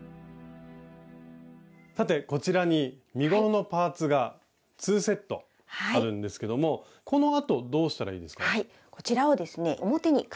さてこちらに身ごろのパーツが２セットあるんですけどもこのあとどうしたらいいですか？